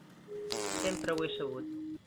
Sempre ho he sabut.